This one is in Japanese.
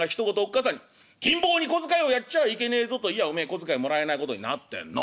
母さんに『金坊に小遣いをやっちゃいけねえぞ』と言やあお前小遣いもらえないことになってんの」。